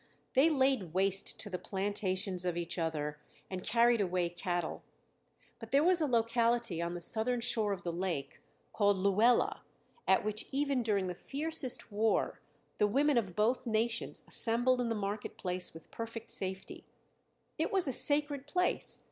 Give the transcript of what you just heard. They laid waste to the plantations of each other and carried away cattle. But there was a locality on the southern shore of the lake, called Luela, at which even during the fiercest war the women of both nations assembled in the market place with perfect safety. It was a sacred place.